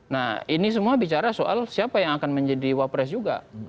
nah ini semua bicara soal siapa yang akan menjadi wapres juga